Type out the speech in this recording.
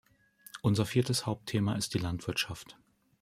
Unser viertes Hauptthema ist die Landwirtschaft.